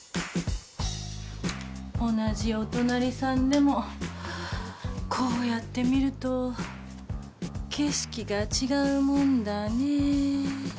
同じお隣さんでもこうやって見ると景色が違うもんだねぇ。